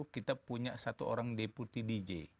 kita punya satu orang deputi dj